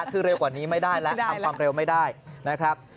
คือเร็วกว่านี้ไม่ได้และทำความเร็วไม่ได้นะครับ